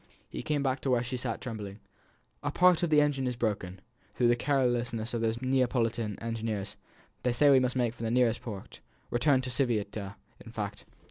He came back to where she sat trembling. "A part of the engine is broken, through the carelessness of these Neapolitan engineers; they say we must make for the nearest port return to Civita, in fact."